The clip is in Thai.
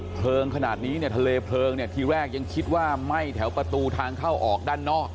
เพลิงขนาดนี้เนี่ยทะเลเพลิงเนี่ยทีแรกยังคิดว่าไหม้แถวประตูทางเข้าออกด้านนอก